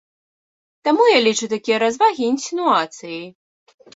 Таму я лічу такія развагі інсінуацыяй.